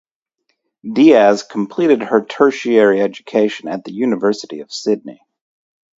Dias completed her tertiary education at the University of Sydney.